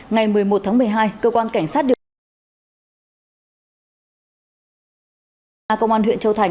ngày một mươi một tháng một mươi hai cơ quan cảnh sát điều tra công an huyện châu thành